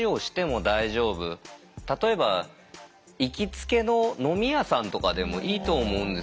例えば行きつけの飲み屋さんとかでもいいと思うんですよ。